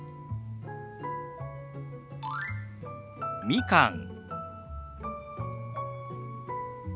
「みかん」。